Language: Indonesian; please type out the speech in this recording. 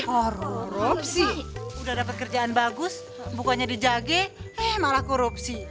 korupsi udah dapet kerjaan bagus bukannya dijage eh malah korupsi